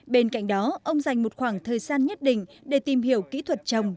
bên cạnh đó ông dành một khoảng thời gian nhất định để tìm hiểu kỹ thuật trồng